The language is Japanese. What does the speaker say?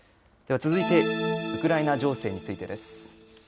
では続いてウクライナ情勢についてです。